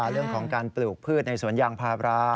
เรื่องของการปลูกพืชในสวนยางพารา